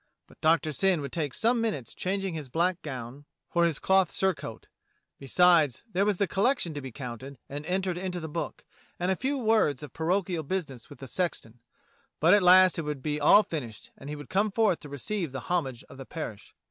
But Doctor Syn would take some minutes changing his black gown for 6 DOCTOR SYN his cloth surcoat; besides, there was the collection to be counted and entered into the book, and a few words of parochial business with the sexton, but at last it would be all finished and he would come forth to receive the homage of the parish.